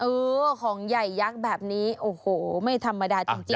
เออของใหญ่ยักษ์แบบนี้โอ้โหไม่ธรรมดาจริง